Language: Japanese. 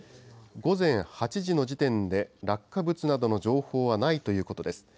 午前８時の時点で落下物などの情報はないということです。